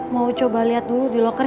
mau coba lihat dulu di locker